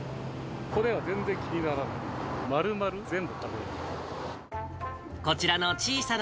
骨が全然気にならない。